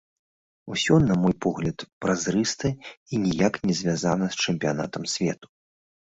Усё, на мой погляд, празрыста і ніяк не звязана з чэмпіянатам свету.